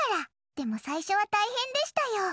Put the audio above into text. でも最初は大変でしたよ。